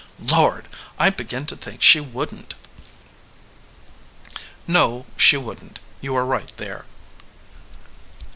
Lord! I begin to think she wouldn t!" "No, she wouldn t. You are right there."